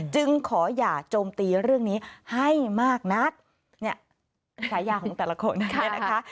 จึงขออย่าโจมตีเรื่องนี้ให้มากนักเนี่ยฉายาของแต่ละคนเนี่ยนะคะ